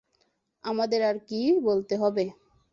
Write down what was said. আমাদের আর কী বলতে হবে?